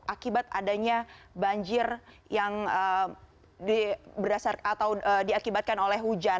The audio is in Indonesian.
akibat adanya banjir yang berdasarkan atau diakibatkan oleh hujan